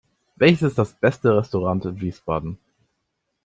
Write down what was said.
Welches ist das beste Restaurant in Wiesbaden?